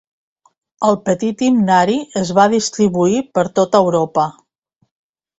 El petit himnari es va distribuir per tota Europa.